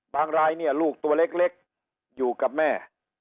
รายเนี่ยลูกตัวเล็กอยู่กับแม่